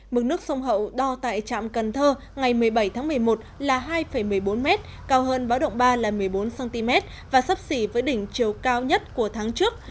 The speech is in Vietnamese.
mực nước sông hậu đo tại trạm cần thơ ngày một mươi bảy tháng một mươi một là hai một mươi bốn m cao hơn báo động ba là một mươi bốn cm và sấp xỉ với đỉnh chiều cao nhất của tháng trước